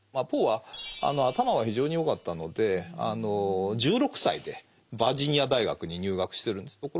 ポーは頭は非常に良かったので１６歳でバージニア大学に入学してるんです。